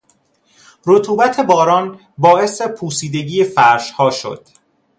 رطوبت باران باعث پوسیدگی فرشها شد.